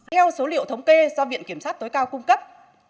theo số liệu thống kê do viện kiểm sát tối cao cung cấp